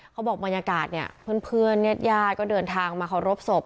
เขาบอกวันยากาศเนี่ยเพื่อนเนี่ยแย่ตก็เดินทางมาขอรบศพ